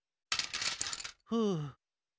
ふう。